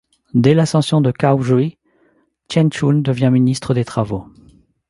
Dès l’ascension de Cao Rui, Chen Qun devient Ministre des Travaux.